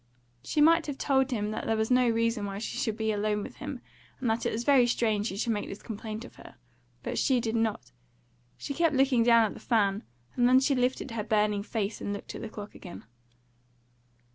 She might have told him that there was no reason why she should be alone with him, and that it was very strange he should make this complaint of her. But she did not. She kept looking down at the fan, and then she lifted her burning face and looked at the clock again.